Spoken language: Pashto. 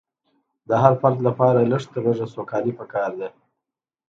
د هر فرد لپاره لږ تر لږه سوکالي پکار ده.